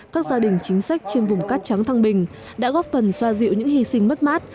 các gia đình chính sách trên vùng cát trắng thăng bình đã góp phần xoa dịu những hy sinh mất mát